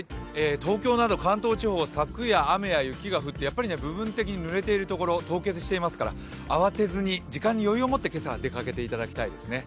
東京など関東地方昨夜、雨や雪が降ってやっぱり部分的にぬれているところ、凍結していますから慌てずに、時間に余裕を持って今朝、出かけていただきたいですね。